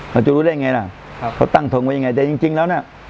เราจะรู้ได้ยังไงแหละ